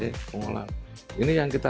ini yang kita harus lakukan